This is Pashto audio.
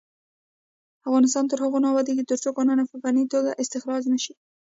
افغانستان تر هغو نه ابادیږي، ترڅو کانونه په فني توګه استخراج نشي.